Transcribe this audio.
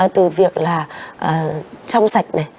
từ việc là trong sạch này